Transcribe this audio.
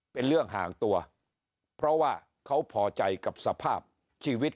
เป็นเรื่องห่างตัวเพราะว่าเขาพอใจกับสภาพชีวิต